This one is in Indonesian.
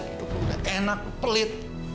itu udah enak pelit